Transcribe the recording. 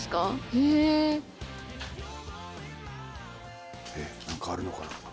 えっ何かあるのかな。